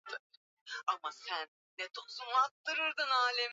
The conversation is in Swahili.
kuna maeneo mengi nchini ambayo yana sifa hizo kuliko huko alikozaliwa Magufuli